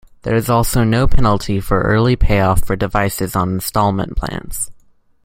There is also no penalty for early payoff for devices on installment plans.